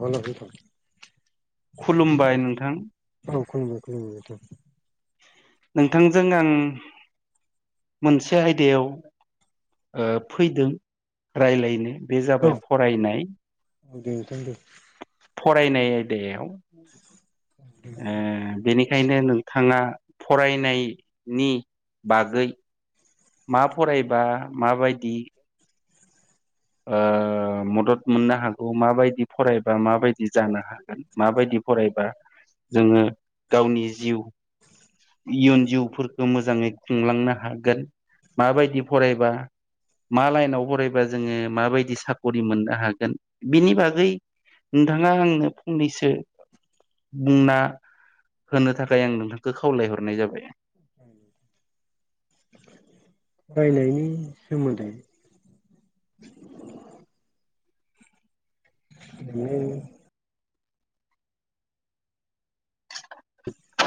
हेल' नोंथां खुलुमबाय नोंथां औ खुलुमबाय खुलुमबाय नोंथांजों आं मोनसे आयदायाव ओ फैदों रायज्लायनो बे औ जाबाय फरायनाय दे नोंथां दे फरायनाय आयदायाव ओ दिनै बेखायनो नोंथाङा फरायनायनि बागै मा फरायबा माबायदि ओ मदद मोननो हागौ माबायदि फरायबा माबायदि जानो हागोन माबायदि फरायबा जोङो गावनि जिउ इयुन जिउफोरखौ मोजाङै खुंलांनो हागोन माबायदि फरायबा मा लाइनाव फरायबा जोङो माबायदि साख'रि मोननो हागोन बिनि बागै नोंथाङा आंनो फंनैसो बुंना होनो थाखाय आं नोंथांखौ खावलायहरनाय जाबाय [inaudible] फरायनायनि सोमोन्दै [inaudible] [unintelligible]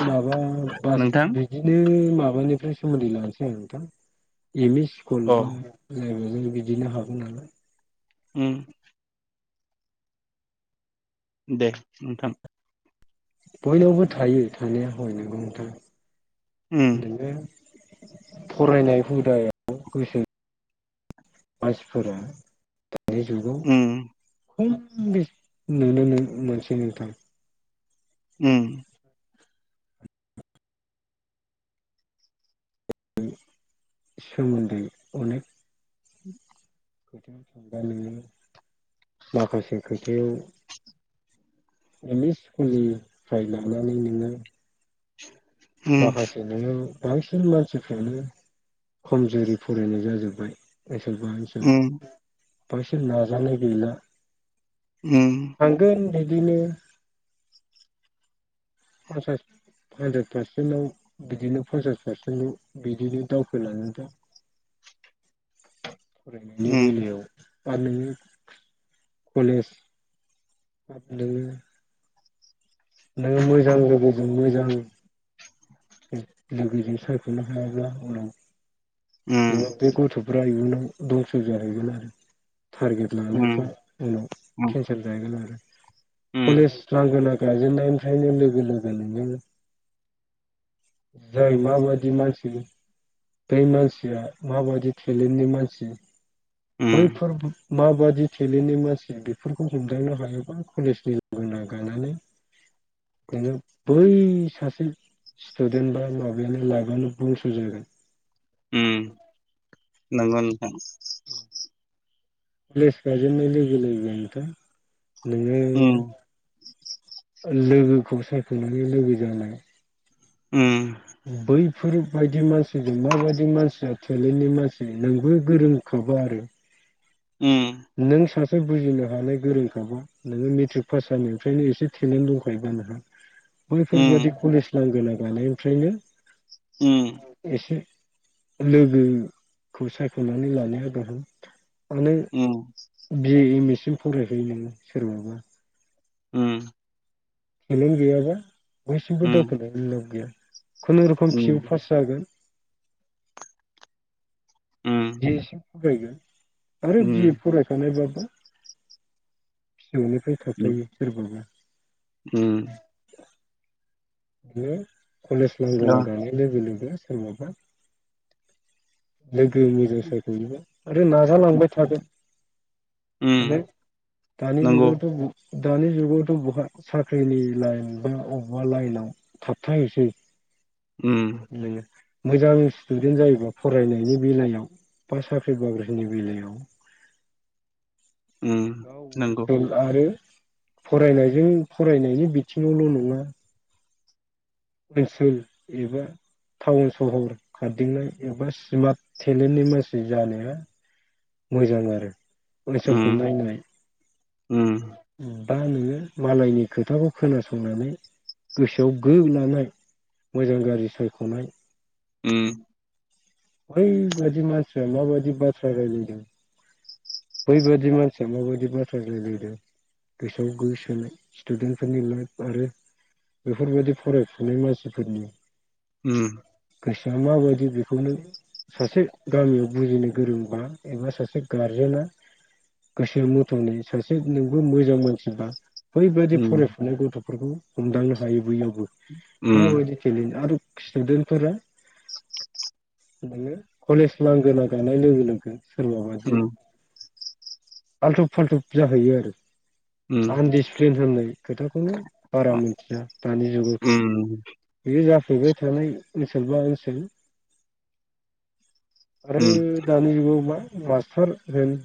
माबा बास नोंथां बिदिनो माबा नोंथांनिफ्राय सोमोन्दै लनोसै आोंथां एम इ स्कुला बा अ बिदिनो हाबौ नालाय ओम दे नोंथां। बयनावबो थायो थानाया हय नगौ नोंथां। उम नोङो फरायनाय हुदायाव गोसो मानसिफोरा दानि जुगाव उम खम बेसे नुनो मोनसै नोंथां। उम सोमोन्दै अनेक [inaudible] दानोङो माखासे खोथायाव एम इ स्कुलनिफ्राय लानानै नोङो [inaudible] माखासे नोङो बांसिन मानसिफ्रानो खमजुरि फरायनाय जाजोब्बाय ओनसोलबा ओनसोल उम बासिन नाजानाय गैला उम थांगोन बिदिनो [inaudible] हानद्रेद पारसेन्टाव बिदिनो पन्सास पारसेन्टाव बिदिनो दावखोलाङो दा [inaudible] उम लुगैनायाव आर नोंनो कलेज नोंनो नोङो मोजां लोगोजों मोजां लोगोजों सायख'नो हायाब्ला उनाव बे गथ'फ्रा इयुनाव दंस' जाहैगोन आरो टारगेट लानायफ्रा उनाव केन्सेल जाहैगोन आरो। उम कलेज लांगोना गायजेननायनिफ्रायनो लोगो लोगो नोङो जाय मााबायदि मानसि बे मानसिया माबायदि टेलेन्टनि मानसि उम बैफोर माबादि टेलेन्टनि मानसि बेफोरखौ हमदांनो हायोबा कलेजनि लोगो नागानानै नोङो बै सासे स्टुदेन्ट बा माबायानो लाइबानो दंस' जागोन उम नंगौ नोंथां कलेज गाजेननाय लोगो लोगो नो नोंथां नोङो उम लोगोखौ सायख'नानै लोगो जानाय उम बै बेफोरबायायदि मानसिजों माबायदि मानसिया टेलेन्टनि मानसि नोंबो गोरोंखाबा आरो उम एसे बुजिनो हानाय गोरोंखाबा नोङो मेट्रिक पास जानायनिफ्रायनो एसे टेलेन्ट दंखायोबा नोंहा। उम बैफोरबादि कलेज लांगोना गानायनिफ्रायनो एसे लोगोखौ सायख'नानै लानाया गाहाम मानो उम बिए एम ए सिम फरायखायो नोङो सोरबाबा। उम। सोलोंथाइ गैयाबा बैसिमबो उम दावखोनो लाब गैया खुनुरुखुम फिउ फार्स जागोन फायगोन आरो बि फरायखानायबा नोंनिफ्राय उम थाबथायायो सोरबाबा उम। बिदिनो कलेज उम लांगोना दानाय लोगो लोगो सोरबाबा लोगो मोजां सायख'योबा आरो नाजालांबाय थागोन उम माने दानि नंगौ जुगावथ' दानि जुगावथ' बहा साख्रिनि लाइन बा बबेबा लाइनाव थाबथाहैसै। उम मोजां स्टुदेन्ट जायोबा फरायनायनि बेलायाव बा साख्रि बाख्रिनि बेलायाव। उम गाव नंगौ ओनसोल आरो फरायनायजों फरायनायनि बिथिङावल' नङा। ओनसोल एबा टाउन सहर खारदिंनाय एबा स्मार्ट टेलेन्टनि मानसि जानाया मोजां आरो ओनसोलखौ उम नायनाय उम उम दा नोङो मालायनि खोथाखौ खोनासंनानै गोसोआव गो लानाय मोजां गाज्रि सायख'नाय उम बै बायदि मासिनया मा बायदि बाथ्रा रायज्लायदों बै बादि मासिया मा बायदि बाथ्रा रायज्लायदों। गोसोआव गो सोनाय स्टुडेन्टफोरनि लाइफ आरो बेफोरबायदि फरायफुनाय मानसिफोरनि उम गोसोआ माबायदि बेखौनो सासे गामियाव बुजिनो गोरोंबा एबा सासे गारजेनाआ गोसोआ मथ'नि सासे नोंबो मोजां मानसिबा बैबायदि उम फरायफुनाय गथ'फोरखौ हमदांनो हायो बैयावबो उम माबायदि टेलेन्ट आरो स्टुदेन्टफोरा बिदिनो कलेज नांग न गानाय लोगो लोगो सोरबा बादि आल्थुब फाल्थुब जाहैयो आरो उम आनडिसिप्लिन होननाय खोथाखौनो बारा मोनथिया दानि जुगावथ' उम बेयो जाफैबाय थानाय ओनसोल बा ओनसोल आरो उम दानि जुगाव मा मास्टार होन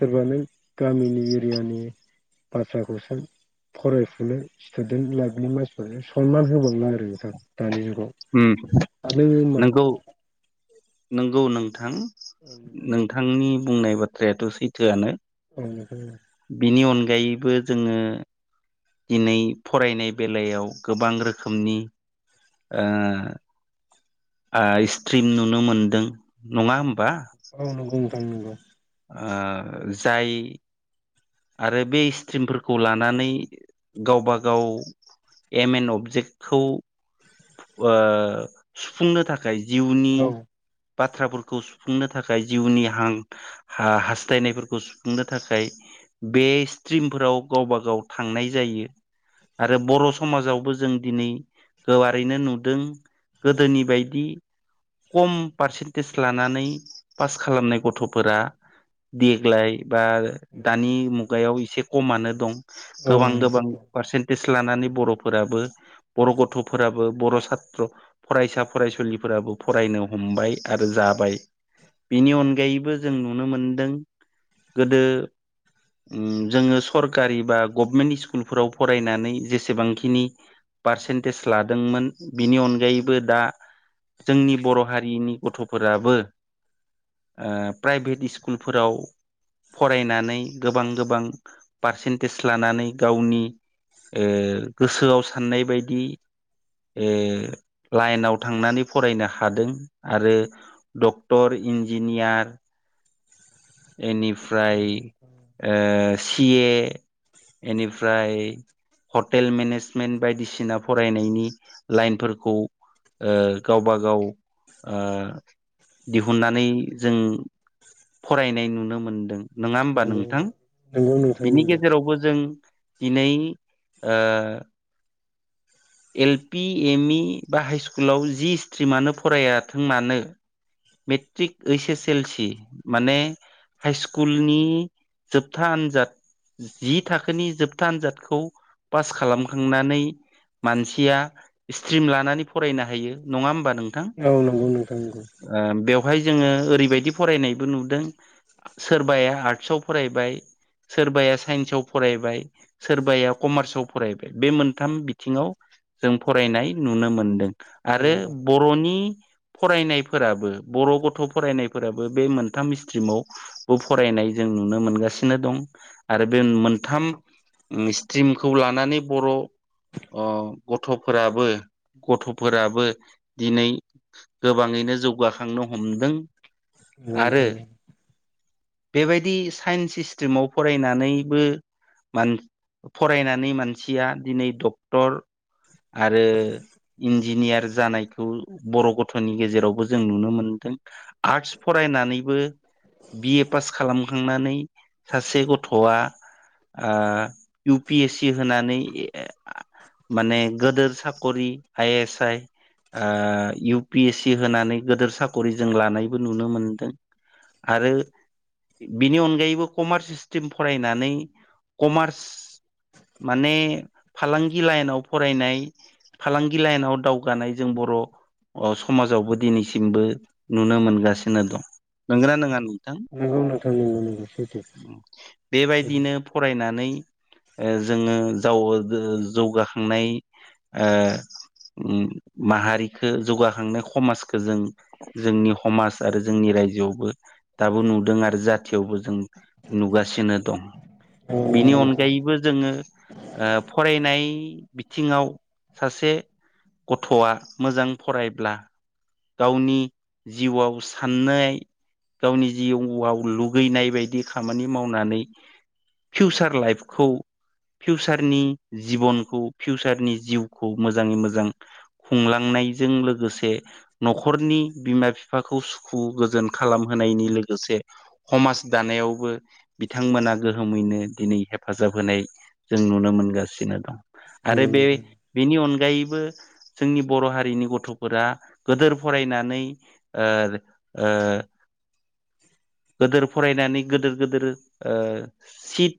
सोरबाानोों गामिनि एरियानि बाथ्राखौसो फरायफुनो स्टुडेन्ट लाइफनि मानसिफोरो सनमान होबावनो आरोख आरो दानि जुगाव ओम आरो मा नोंगौ नंगौ नोंथां नोंथांनि बुंनाय बाथ्रायाथ' सैथोआनो औ बिनि अनगायैबो जोङो दिनै फरायनाय बेलायाव गोबां रोखोमनि ओ ओ स्ट्रिम नुनो मोनदों नङा होमबा औ औ नंगौ मोथां नंगौ ओ जाय आरो बे स्ट्रिमफोरखौ लानानै गावबा गाव एम एन अबजेक्टखौ ओ सुफुंनो थाखाय औ जिउनि औ बाथ्राफोरखौ सुफुंनो थाखाय जिउनि हां हास्थायनायफोरखौ सुफुंनो थाखाय बे स्ट्रिमफोराव गावबा गाव थांनाय जायो आरो बर' समाजावबो जों दिनै गोवारैनो नुदों गोदोनि बायदि खम पारसेन्टेज लानानै पास खालामनाय गथ'फोरा देग्लाय बा दानि मुगायाव एसे खमानो दं गोबां नोंथां गोबां औ पारसेन्टेज लानानै बर'फोराबो बर' गथ' फोराबो बर' सत्र फरायसा फरायसुलिफोराबो फरायनो हमबाय आरो जाबाय बिनि अनगायैबो जों नुनो मोनदों गोदो जोङो सरकारि बा गभमेन्ट स्कुलफोराव फरायनानै जेसेबांखिनि पारसेन्टेज लादोंमोन बिनि अनगायैबो दा जोंनि बर' हारिनि गथ'फोराबो प्राइभेट स्कुलफोराव फरायनानै गोबां गोबां पारसेन्टेज लानानै गावनि ओ गोसोआव साननाय बायदि लाइनाव थांनानै फरायनो हादों आरो डक्टर इन्जिनियार बेनिफ्राय सिए बेनिफ्राय हटेल मेनेजमेन्ट बायदिसिना फरायनायनि लाइनफोरखौ ओ गावबा गाव ओ दिहुननानै जों फरायनाय नुनो मोनदों नङा होमबा नोंथां नंगौ नोंथां नंगौ नोंथां बिनि नंगौ औ गेजेरावबो जों दिनै ओ एल पि एम इ बा हाइस््कुलाव जि स्ट्रिमानो फरायाथों मानो मेट्रिक ओइस एस एल सि माने हाइ स्कुलनि जोबथा आनजाद जि थाखोनि जोबथा आनजादखौ पास खालामखांनानै मानसिया स्ट्रिम लानानै फरायनो हायो नङा होमबा नों औ नोंगौ नोंथां नोंगौ बाहाय जोङो ओरैबायदि फरायनायबो नुदों सोरबाया आर्टसाव फरायबाय सोरबाया साइन्सआव फरायबाय सोरबाया कमार्सआव फरायबाय बे मोनथाम बिथिङाव जों फरायनाय नुनो मोनदों आरो बरनि फरायनायफोराबो बर गथ फरायनायफोराबो बे मोनथाम स्ट्रिमावबो फरायनाय जों नुनो मोनगासिनो दं आरो बे मोनथाम स्ट्रिमखौ लानानै बर अ गथफोराबो गथफोराबो दिनै गोबाङैनो जौगाखांनो हमदों ओं आरो नोंथां ओं बेबायदि साइन्स स्ट्रिमाव फरायनानैबो मान फरायनानै मानसिया दिनैथ क्टर आरो इन्जिनियार जानायखौ बर गथनि गेजेरावबो जों नुनो मोनदों आर्टस फरायनानैबो बिए पास खालामखांनानै सासे गथआ O U P S C होनानै माने गोदोर साखरि I S I O U P S C होनानै गदोर साखरि जों लानायबो नुनो मोनदों आरो बिनि अनगायैबो कमार्स स्ट्रिम फरायनानै कमार्स माने फालांगि लाइनाव फरायनाय फालांगि लाइनाव दावगानाय जों बर अ समाजावबो दिनैसिमबो नुनो मोनगासिनो दं नंगना नङा नोंथां नंगौ नोंथां नंगौ नोंथां नंगौ नंगौ सैथो बेबायदिनो फरायनानै ओं जोङो जावो गोहो जौगाखांनाय ओ उम माहारिखो जौगाखांनो हमाजखो जों जोंनि हमाज आरो जोंनि रायजोयावबो दाबो नुदों आरो जाथियावबो जों नुगासिनो दं औ नंगौ बिनि नोंथां अनगायैबो जोङो ओ फरायनाय बिथिङाव सासे गथआ मोजां फरायब्ला गावनि जिउआव साननाय गावनि जिउआव लुगैनाय बायदि खामानि मावनानै फिउसार लाइफखौ फिउसारनि जिबनखौ फिउसारनि जिउखौ मोजाङै मोजां खुंलांनायजों लोगोसे नखरनि बिमा बिफाखौ सुखु गोजोन खालामहोनायनि लोगोसे हमाज दानायावबो बिथांमोना गोहोमैनो दिनै हेफाजाब होनाय जों नुनो मोनगो बिनो दं आरो नंगौ बे नोंथां बेनि अन गायैबो जोंनि बर हारिनि गथफोरा गोदोर फरायनानै ओ ओ गोदोर फरायनानै गिदोर गोदोर ओ सिट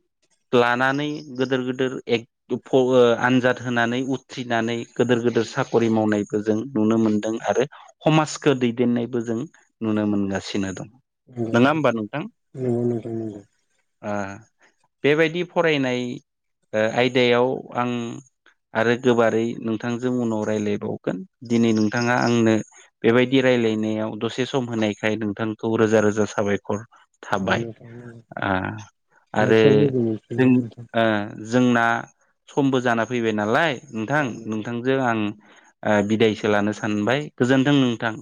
लानानै गोदोर गोदोर एक दुफगो आनजाद होनानै उथ्रिनानै गोदोर गोदोर साखरि मावनायबो जों नुनो मोन्दों आरो हमाजखो दैदेननायबो जों नुनो मोनगासिनो दं नोंगौ नङा होमबा नोंथां नोंगौ नोंथां नोंगौ ओ बेबायदि फरायनाय आयदायाव आं आरो गोबारै नोंथांजों उनाव रायलायबावगोन दिनै नोंथाङा आंनो बेबायदि राय रायलायनायाव दसे सम होनायखाय नोंथांखौ रोजा रोजा साबायखर थाबाय नोंथां नंगौ ओ आरो नेक्स्टआव लोगो जों मोनफिनगोन नोंथां जोंना समबो जाना फैबाय नालाय औ नोंथां औ नोंथांजों आं बिदाय लानो सानबाय गोजोन्थों नोंथां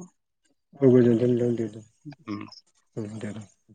औ गोजोनथों नोंथां उम दे दे [unintelligible]